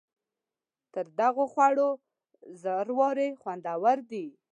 تر دغو خوړو زر وارې خوندور دی.